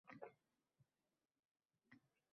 Ularning bizga keragi yo‘q.